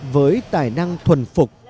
với tài năng thuần phục của họ